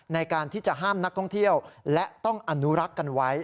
ในการที่จะห้ามนักท่องเที่ยวและต้องอนุรักษ์กันไว้